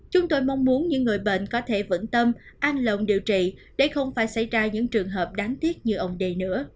chúng tôi mong muốn những người bệnh có thể vững tâm an lộn điều trị để không phải xảy ra những trường hợp đáng tiếc như ông đê nữa